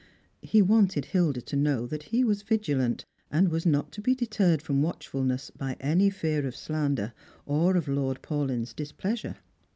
He wanted Hilda to know that he was vigilant, and was not to be deterred from watchfulness by any fear of slander or of Lord Paulyn's dis pleasure.